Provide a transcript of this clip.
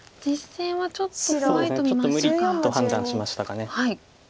ちょっと無理と判断しましたかね。